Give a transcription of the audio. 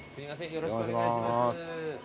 よろしくお願いします。